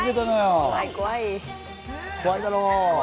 怖いだろ。